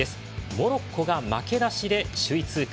モロッコが負けなしで首位通過。